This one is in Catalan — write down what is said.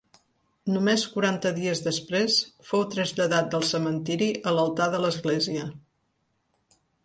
Només quaranta dies després, fou traslladat del cementiri a l'altar de l'església.